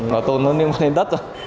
nó tồn nó lên đất rồi